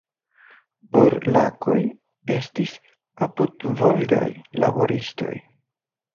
"Burlakoj" estis apudvolgaj laboristoj.